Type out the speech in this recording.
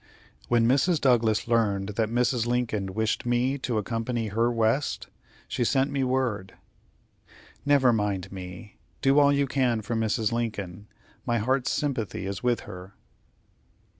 When Mrs. Douglas learned that Mrs. Lincoln wished me to accompany her West, she sent me word: "Never mind me. Do all you can for Mrs. Lincoln. My heart's sympathy is with her."